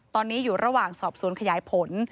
ตอนนี้อยู่ระหว่างสอบสวนขยายผล